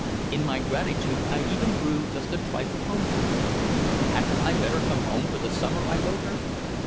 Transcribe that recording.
In my gratitude I even grew just a trifle homesick. "Hadn't I better come home for the summer?" I wrote her.